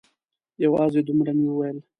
یوازې دومره مې وویل.